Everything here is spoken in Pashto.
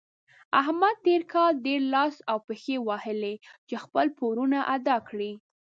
احمد تېر کار ډېر لاس او پښې ووهلې چې خپل پورونه ادا کړي.